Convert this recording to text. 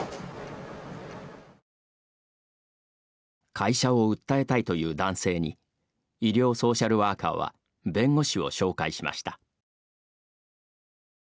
会社を訴えたいという男性に医療ソーシャルワーカーは弁護士を紹介しました。